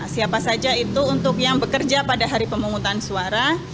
siapa saja itu untuk yang bekerja pada hari pemungutan suara